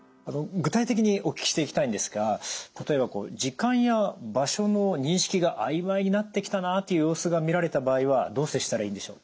具体的にお聞きしていきたいんですが例えばこう時間や場所の認識が曖昧になってきたなっていう様子が見られた場合はどう接したらいいんでしょう？